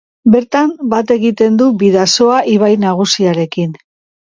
Bertan, bat egiten du Bidasoa ibai nagusiarekin.